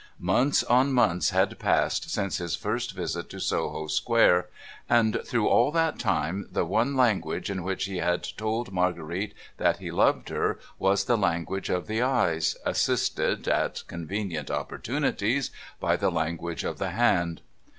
Months on months had passed since his first visit to Soho square— and through all that time, the one language in which he had told Marguerite that he loved her was the language of the eyes, assisted, at convenient opportunities, by the language of the hand.